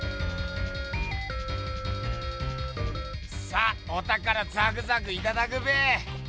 さあおたからザクザクいただくべ！